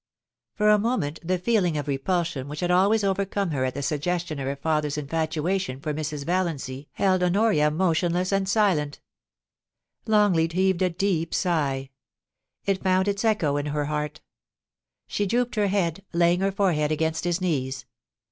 For a moment the feeling of repulsion which had always overcome her at the suggestion of her father's infatuation for Mrs. Valiancy held Honoria motionless and silent Longleat heaved a deep sigh ; it found its echo in her heart She drooped her head, laying her forehead against his knees.